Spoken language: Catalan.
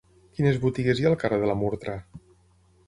Quines botigues hi ha al carrer de la Murtra?